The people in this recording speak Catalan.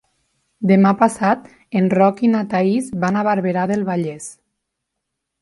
Demà passat en Roc i na Thaís van a Barberà del Vallès.